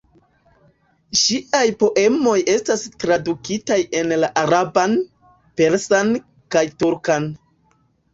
Ŝiaj poemoj estas tradukitaj en la araban, persan kaj turkan.